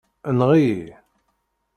Enɣ-iyi.